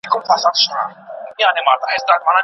ارامي د خلګو ژوند ښه کوي.